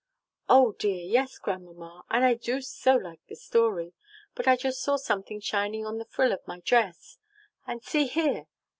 "Oh, dear, yes, Grandmamma, and I do so like the story. But I just saw something shining on the frill of my dress, and see here!"